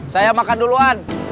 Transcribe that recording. saya makan duluan